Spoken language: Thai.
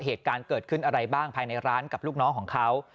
เหตุการณ์เกิดขึ้นอะไรบ้างภายในร้านกับลูกน้องของเขา